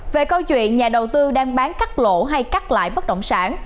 về câu chuyện nhà đầu tư đang bán cắt lỗ hay cắt lại bất động sản